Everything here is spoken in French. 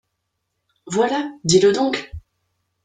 Voilà, dis-le donc !